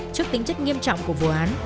trước tính chất nghiêm trọng của vụ án